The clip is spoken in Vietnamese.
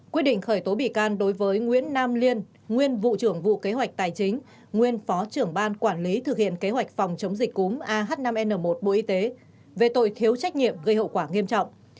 quyết định khởi tố bị can đối với nguyễn nam liên nguyên vụ trưởng vụ kế hoạch tài chính nguyên phó trưởng ban quản lý thực hiện kế hoạch phòng chống dịch cúm ah năm n một bộ y tế về tội thiếu trách nhiệm gây hậu quả nghiêm trọng